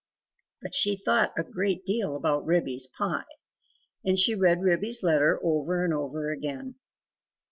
But she thought a great deal about Ribby's pie, and she read Ribby's letter over and over again.